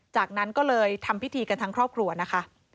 จากนั้นก็เลยทำพิธีกันทั้งครอบครัวนะคะ